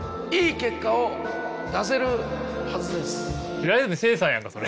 平泉成さんやんかそれ。